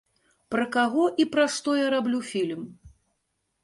Пра каго і пра што я раблю фільм?